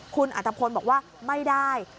คุณอัตภพลบอกว่าไม่ได้